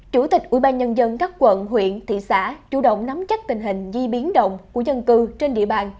chủ tịch ubnd các quận huyện thị xã chủ động nắm chắc tình hình di biến động của dân cư trên địa bàn